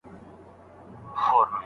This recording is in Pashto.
کورنۍ باید بې تفاهمه پاته نه سي.